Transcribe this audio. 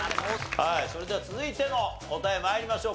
それでは続いての答え参りましょう。